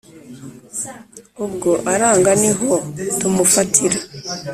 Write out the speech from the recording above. ubwo aranga niho tumufatira